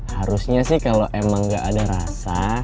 harusnya sih kalo emang gak ada rasa